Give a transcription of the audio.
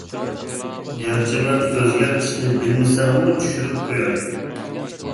گەرچە مەن ئۆزگەرتىشنى بىلمىسەممۇ چۈشۈرۈپ قوياي.